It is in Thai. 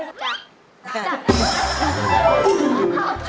น่ารักวะ